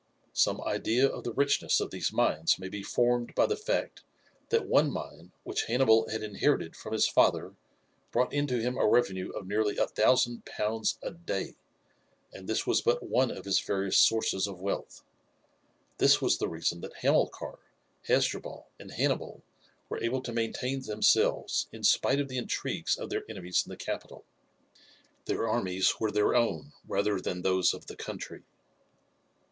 Some idea of the richness of these mines may be formed by the fact that one mine, which Hannibal had inherited from his father, brought in to him a revenue of nearly a thousand pounds a day; and this was but one of his various sources of wealth. This was the reason that Hamilcar, Hasdrubal, and Hannibal were able to maintain themselves in spite of the intrigues of their enemies in the capital. Their armies were their own rather than those of the country.